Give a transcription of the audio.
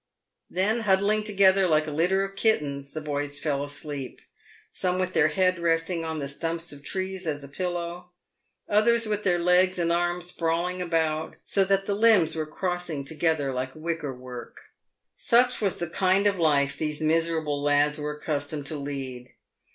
Then, huddling together like a litter of kittens, the boys fell asleep ; some with their head resting on the stumps of trees as a pillow, others with their legs and arms sprawling about, so that the limbs were crossed together like wicker work. Such was the kind of life these miserable lads were accustomed to lead.